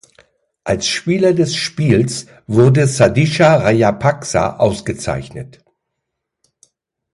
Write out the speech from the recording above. Als Spieler des Spiels wurde Sadisha Rajapaksa ausgezeichnet.